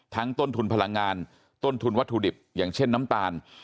ต้นทุนพลังงานต้นทุนวัตถุดิบอย่างเช่นน้ำตาล